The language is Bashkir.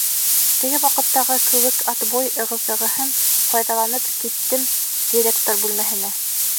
Теге ваҡыттағы кеүек отбой ығы-зығыһын файҙаланып, киттем директор бүлмәһенә.